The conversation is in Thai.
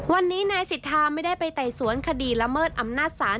วันนี้นายสิทธาไม่ได้ไปไต่สวนคดีละเมิดอำนาจศาล